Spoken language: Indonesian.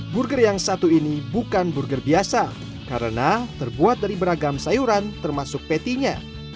burger yang satu ini bukan burger biasa karena terbuat dari beragam sayuran termasuk patty nya